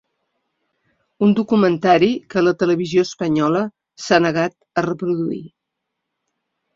Un documentari que la televisió espanyola s’ha negat a reproduir.